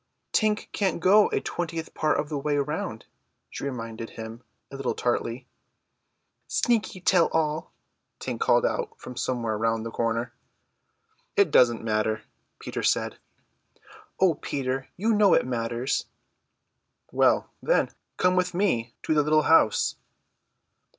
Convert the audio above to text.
"Tink can't go a twentieth part of the way round," she reminded him a little tartly. "Sneaky tell tale!" Tink called out from somewhere round the corner. "It doesn't matter," Peter said. "O Peter, you know it matters." "Well, then, come with me to the little house."